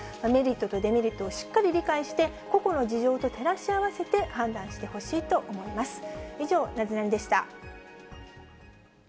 メリットとデメリットをしっかり理解して、個々の事情と照らし合わせて判断してほしいと思います。